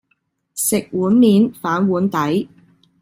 食碗面，反碗底